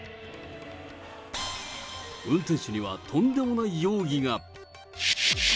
運転手には、とんでもない容疑が。